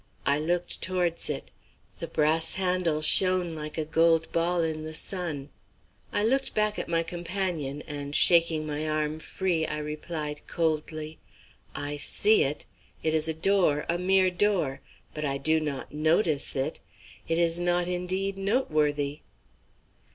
I looked towards it: the brass handle shone like a gold ball in the sun. I looked back at my companion, and, shaking my arm free, I replied coldly: "I see it. It is a door, a mere door. But I do not notice it. It is not indeed noteworthy."